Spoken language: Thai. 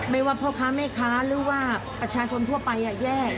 ว่าพ่อค้าแม่ค้าหรือว่าประชาชนทั่วไปแย่